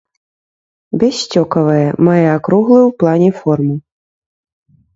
Бяссцёкавае, мае акруглую ў плане форму.